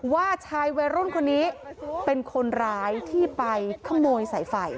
ว่าชายวัยรุ่นคนนี้เป็นคนร้ายที่ไปขโมยสายไฟ